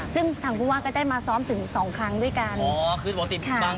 ซึ่งทางผู้ว่าก็ได้มาซ้อมถึงสองครั้งด้วยกัน